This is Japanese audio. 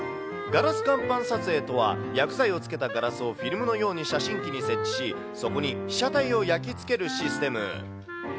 ガラス乾板撮影とは、薬剤をつけたガラスをフィルムのように写真機に設置し、そこに被写体を焼き付けるシステム。